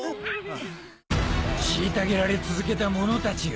虐げられ続けた者たちよ。